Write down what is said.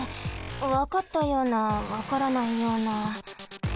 わかったようなわからないような。